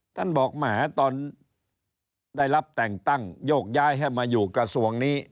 ท่านบอกแหมตอนได้รับแต่งตั้งโยกย้ายให้มาอยู่กระทรวงนี้